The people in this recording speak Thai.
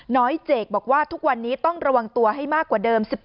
เจกบอกว่าทุกวันนี้ต้องระวังตัวให้มากกว่าเดิม